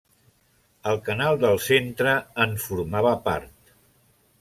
El canal del Centre en formava part.